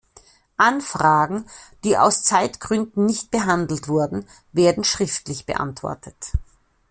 Anfragen, die aus Zeitgründen nicht behandelt wurden, werden schriftlich beantwortet.